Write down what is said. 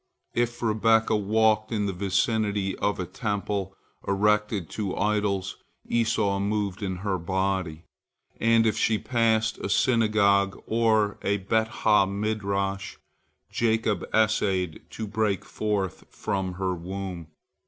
If Rebekah walked in the vicinity of a temple erected to idols, Esau moved in her body, and if she passed a synagogue or a Bet ha Midrash, Jacob essayed to break forth from her womb.